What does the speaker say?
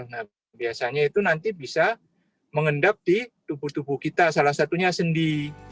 nah biasanya itu nanti bisa mengendap di tubuh tubuh kita salah satunya sendi